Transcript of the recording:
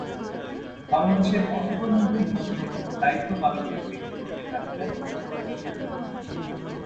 বাংলাদেশের অর্থমন্ত্রী হিসাবে দায়িত্ব পালনকারী ব্যক্তিবর্গের তালিকা নিম্নরূপঃ